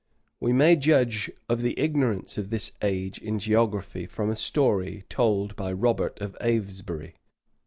We may judge of the ignorance of this age in geography, from a story told by Robert of Avesbury.